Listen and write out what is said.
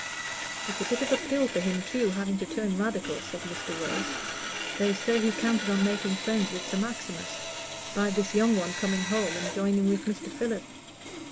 "It's a bit of a pill for him, too, having to turn Radical," said Mr. Wace. "They say he counted on making friends with Sir Maximus, by this young one coming home and joining with Mr. Philip."